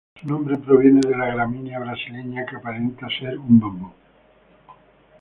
Su nombre proviene de la gramínea brasileña que aparenta ser un bambú.